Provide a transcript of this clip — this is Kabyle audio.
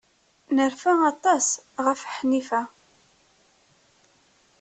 Nerfa aṭas ɣef Ḥnifa.